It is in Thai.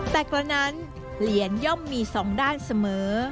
แต่กระนั้นเหรียญย่อมมีสองด้านเสมอ